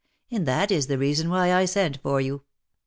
And that is the reason why I sent for you."